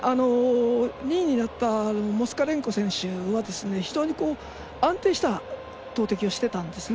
２位になったモスカレンコ選手は非常に安定した投てきをしていたんですね。